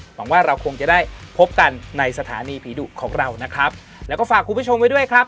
หวังว่าเราคงจะได้พบกันในสถานีผีดุของเรานะครับแล้วก็ฝากคุณผู้ชมไว้ด้วยครับ